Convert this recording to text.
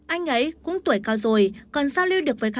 anh ấy cũng tuổi cao rồi